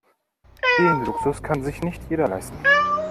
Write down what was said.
Den Luxus kann sich nicht jeder leisten.